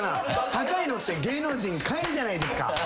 「高いのって芸能人買えるじゃないですか」